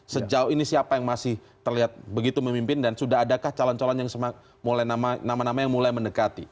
sejauh ini siapa yang masih terlihat begitu memimpin dan sudah adakah calon calon yang mulai menekati